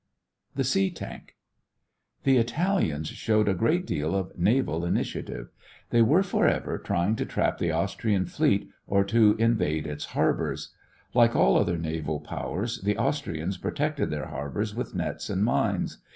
THE SEA TANK The Italians showed a great deal of naval initiative. They were forever trying to trap the Austrian fleet or to invade its harbors. Like all other naval powers, the Austrians protected their harbors with nets and mines.